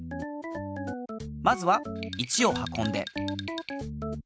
まずは１をはこんで。